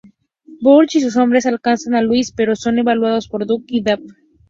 Burch y sus hombres alcanzan a Luis, pero son evaluados por Kurt y Dave.